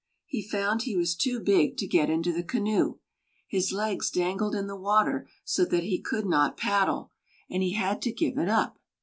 He found he was too big to get into the canoe. His legs dangled in the water so that he could not paddle, and he had to give it up.